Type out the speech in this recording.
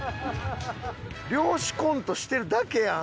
漁師コントしてるだけやん